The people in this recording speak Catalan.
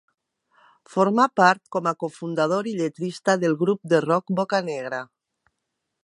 Formà part, com a cofundador i lletrista, del grup de rock Bocanegra.